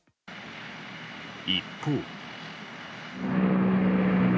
一方。